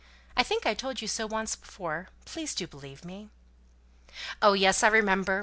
I think I told you so once before. Please do believe me." "Oh, yes! I remember.